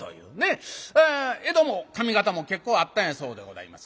江戸も上方も結構あったんやそうでございます。